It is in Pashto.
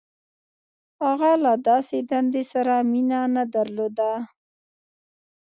• هغه له داسې دندې سره مینه نهدرلوده.